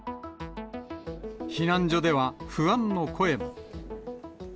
避難所では不安の声も。